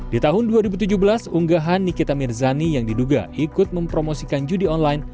di tahun dua ribu tujuh belas unggahan nikita mirzani yang diduga ikut mempromosikan judi online